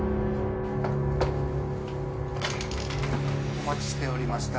お待ちしておりました。